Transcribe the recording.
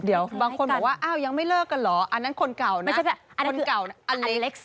เดี๋ยวบางคนบอกว่ายังไม่เลิกกันเหรอ